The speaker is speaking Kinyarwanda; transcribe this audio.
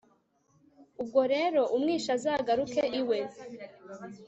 ubwo rero umwishi azagaruke iwe